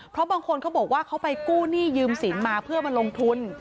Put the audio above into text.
เพราะบางคนเขาบอกว่าเขาไปกู้หนี้ยืมสินมาเพื่อมาลงทุน